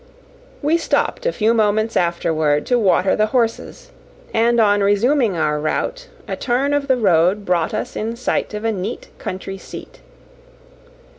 We stopped a few moments afterward to water the horses, and on resuming our route, a turn of the road brought us in sight of a neat country seat.